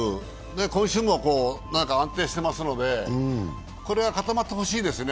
今週も安定してますのでこれが固まってほしいですね。